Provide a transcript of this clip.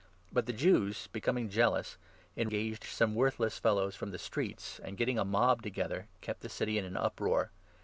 But the 5 Jews, becoming jealous, engaged some worthless fellows from the streets, and, getting a mob together, kept the city in an uproar.